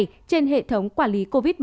trên hệ thống quản lý covid một mươi chín